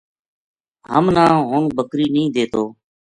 ہم نا ہن بکری نیہہ دیتو